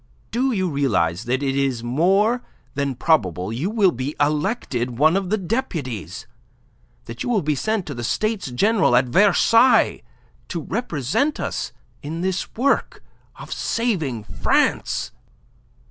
Do you realize that it is more than probable you will be elected one of the deputies, that you will be sent to the States General at Versailles to represent us in this work of saving France?"